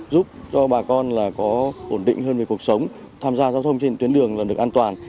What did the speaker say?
giúp cho bà con có ổn định hơn về cuộc sống tham gia giao thông trên tuyến đường là được an toàn